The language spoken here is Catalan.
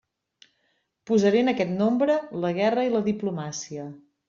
Posaré en aquest nombre la guerra i la diplomàcia.